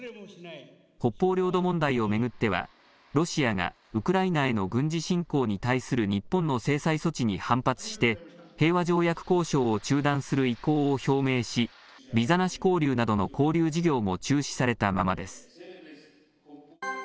北方領土問題を巡っては、ロシアがウクライナへの軍事侵攻に対する日本の制裁措置に反発して、平和条約交渉を中断する意向を表明し、ビザなし交流などの交流事業も中止されたままです。